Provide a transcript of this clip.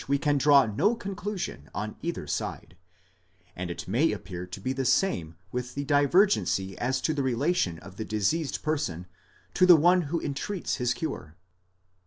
MIRACLES ΟΕ JESUS—CURES AT A DISTANCE, 467 we can draw no conclusion on either side ; and it may appear to be the same with the divergency as to the relation of the diseased person to the one who entreats his cure.